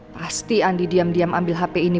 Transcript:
pasti andi diam diam ambil hp ini